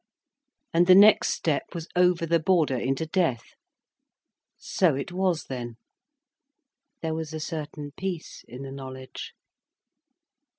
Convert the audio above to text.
And the next step was over the border into death. So it was then! There was a certain peace in the knowledge.